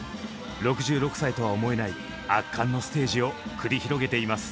６６歳とは思えない圧巻のステージを繰り広げています。